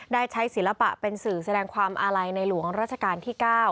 ได้ใช้ศิลปะเป็นสื่อแสดงความอาลัยในหลวงราชการที่๙